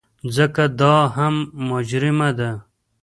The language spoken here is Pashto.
ځکه دا هم مجرمه ده.